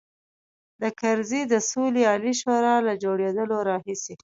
د کرزي د سولې عالي شورا له جوړېدلو راهیسې.